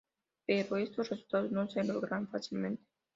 Pero estos resultados no se logran fácilmente.